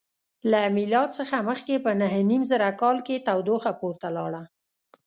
له میلاد څخه مخکې په نهه نیم زره کال کې تودوخه پورته لاړه.